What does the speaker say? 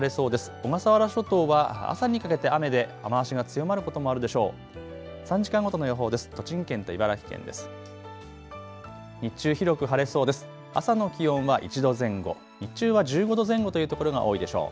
小笠原諸島は朝にかけて雨で雨足が強まることもあるでしょう。